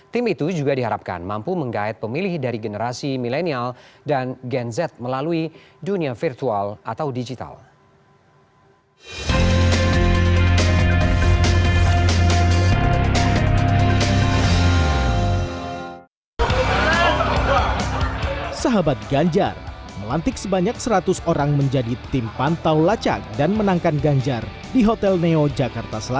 tim itu juga diharapkan mampu mengait pemilih dari generasi milenial dan gen z melalui dunia virtual atau digital